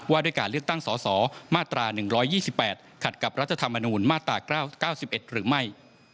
ด้วยการเลือกตั้งสสมาตรา๑๒๘ขัดกับรัฐธรรมนูญมาตรา๙๑หรือไม่